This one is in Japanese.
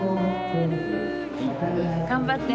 頑張って。